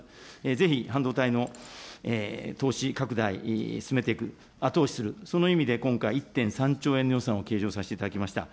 ぜひ半導体の投資拡大、進めていく、後押しする、その意味で今回、１．３兆円の予算を計上させていただきました。